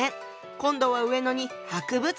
今度は上野に博物館が。